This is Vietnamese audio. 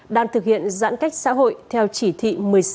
đang thực hiện giãn cách xã hội theo chỉ thị một mươi sáu